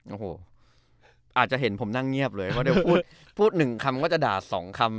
โอ้โหอาจจะเห็นผมนั่งเงียบเลยเพราะเดี๋ยวพูดพูดหนึ่งคำก็จะด่าสองคำ